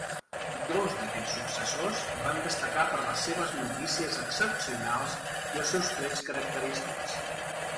Dos d'aquests successors van destacar per les seves notícies excepcionals i els seus trets característics.